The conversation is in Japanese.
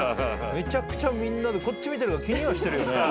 めちゃくちゃみんなでこっち見てるから気にはしてるよね。